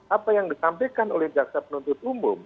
apa yang disampaikan oleh jaksa penuntut umum